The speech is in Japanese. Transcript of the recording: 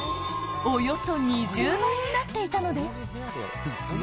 およそ２０倍になっていたのです。